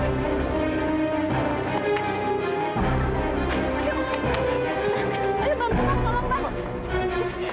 ada yang pingsan bang bantu saya turunin